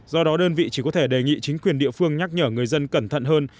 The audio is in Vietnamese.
do đó đơn vị chỉ có thể đề nghị chính quyền địa phương nhắc nhở người dân cẩn thận hơn